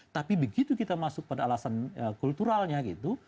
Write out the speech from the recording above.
tapi begitu kita masuk pada alasan kulturalnya gitu